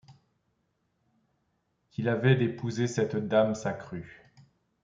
Qu’il avait d’épouser cette dame s’accrut